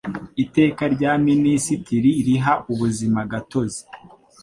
Iteka rya Minisitiri riha ubuzimagatozi